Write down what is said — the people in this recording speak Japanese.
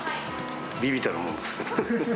微々たるもんですけど。